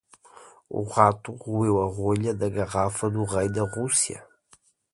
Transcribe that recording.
O rato roeu a rolha da garrafa do Rei da Rússia.